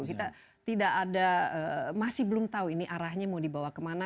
kita tidak ada masih belum tahu ini arahnya mau dibawa kemana